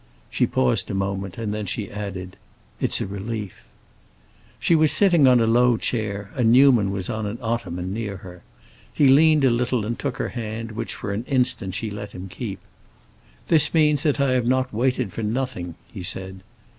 She paused a moment, and then she added, "It's a relief." She was sitting on a low chair, and Newman was on an ottoman, near her. He leaned a little and took her hand, which for an instant she let him keep. "That means that I have not waited for nothing," he said.